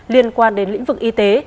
liên quan đến lĩnh vực y tế